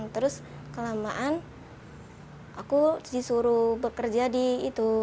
terus kelamaan aku disuruh bekerja di itu